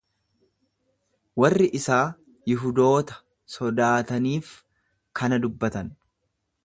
Warri isaa Yihudoota sodaataniif kana dubbatan.